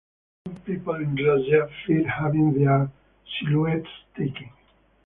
Some people in Russia fear having their silhouettes taken.